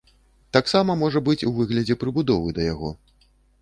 Таксама можа быць ў выглядзе прыбудовы да яго.